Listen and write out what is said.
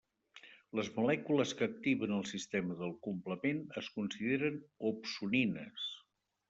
Les molècules que activen el sistema del complement es consideren opsonines.